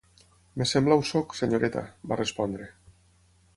"Em sembla ho sóc, senyoreta", va respondre.